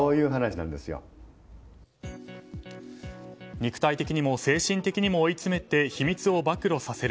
肉体的にも精神的にも追い詰めて秘密を暴露させる。